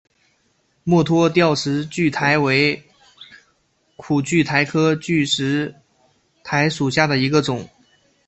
墨脱吊石苣苔为苦苣苔科吊石苣苔属下的一个种。